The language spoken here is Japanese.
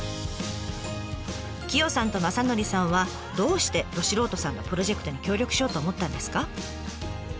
キヨさんと正典さんはどうしてど素人さんのプロジェクトに協力しようと思ったんですか？